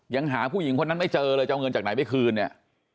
ยังหาผู้หญิงคนนั้นไม่เจอเลยจะเอาเงินจากไหนไปคืนเนี่ย